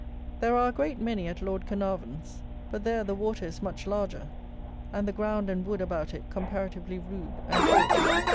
There are a great many at Lord Caernarvon's; but there the water is much larger, and the ground and wood about it comparatively rude and coarse.